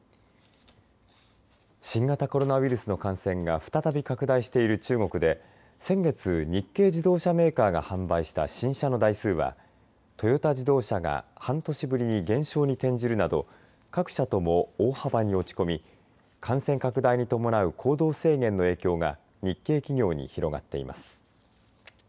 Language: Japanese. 新型コロナウイルスの感染が再び拡大している中国で先月、日系自動車メーカーが販売した新車の台数はトヨタ自動車が半年ぶりに減少に転じるなど各社とも大幅に落ち込み感染拡大に伴う行動制限の影響が日系企業に広がっています。